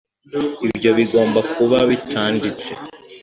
ibyo bigomba kuba bitanditse